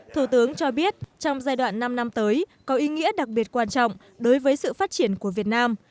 thủ tướng cho biết trong giai đoạn năm năm tới có ý nghĩa đặc biệt quan trọng đối với sự phát triển của việt nam